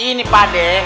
ini pak deh